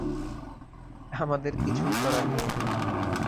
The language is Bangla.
আমাদের কিছুই করার নেই।